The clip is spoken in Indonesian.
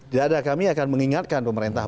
tidak ada kami akan mengingatkan pemerintah